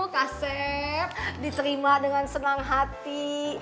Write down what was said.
kaset diterima dengan senang hati